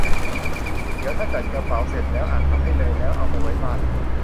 เด๋วถ้าจัดกระเป๋าเสร็จแล้วอาจทำให้เลย แล้วเอาไปไว้บ้าน